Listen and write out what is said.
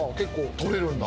とれるんだ？